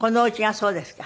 そうですね。